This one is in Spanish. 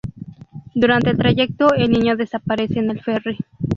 Durante el trayecto el niño desaparece en el ferry.